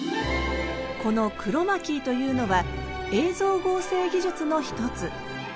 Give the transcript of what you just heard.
この「クロマキー」というのは映像合成技術の一つ。